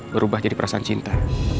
berubah jadi perasaan cinta